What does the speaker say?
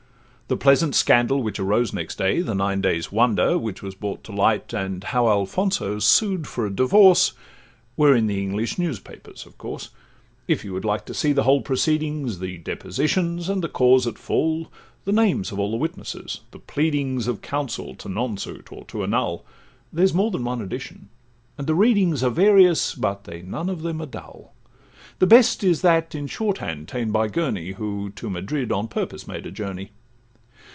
The pleasant scandal which arose next day, The nine days' wonder which was brought to light, And how Alfonso sued for a divorce, Were in the English newspapers, of course. If you would like to see the whole proceedings, The depositions, and the cause at full, The names of all the witnesses, the pleadings Of counsel to nonsuit, or to annul, There's more than one edition, and the readings Are various, but they none of them are dull; The best is that in short hand ta'en by Gurney, Who to Madrid on purpose made a journey.